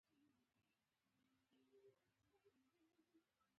موږ کولی شو، چې د زمري د ښکار دقیق حالت ملګرو ته بیان کړو.